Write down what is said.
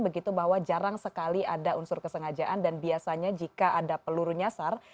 begitu bahwa jarang sekali ada unsur kesengajaan dan biasanya jika ada peluru nyasar